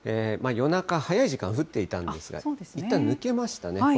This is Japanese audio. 夜中、早い時間降っていたんですが、いったん抜けましたね。